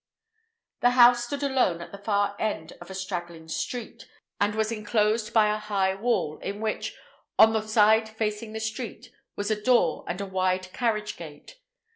The house stood alone at the far end of a straggling street, and was enclosed by a high wall, in which, on the side facing the street, was a door and a wide carriage gate.